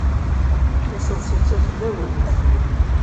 Taseḍsut-a fell-awent.